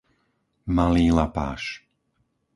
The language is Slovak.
Malý Lapáš